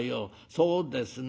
そうですね